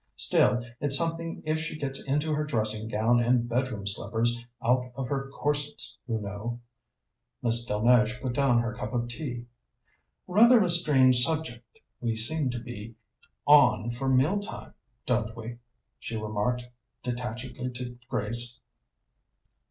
"Still, it's something if she gets into her dressing gown and bedroom slippers, out of her corsets, you know." Miss Delmege put down her cup of tea. "Rather a strange subject we seem to be on for mealtime, don't we?" she remarked detachedly to Grace.